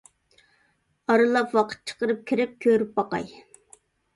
ئارىلاپ ۋاقىت چىقىرىپ كىرىپ كۆرۈپ باقاي.